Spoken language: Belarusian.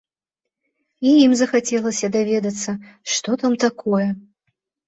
І ім захацелася даведацца, што там такое.